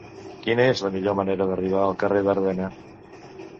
Quina és la millor manera d'arribar al carrer d'Ardena?